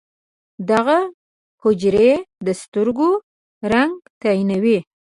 دغه حجرې د سترګو رنګ تعیینوي.